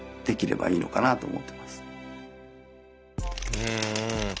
うん。